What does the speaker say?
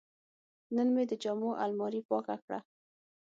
نن مې د جامو الماري پاکه کړه.